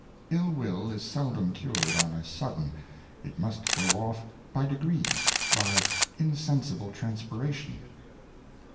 lU will is seldom cured on a sudden, it must go off by degrees, by insensible Transpiration.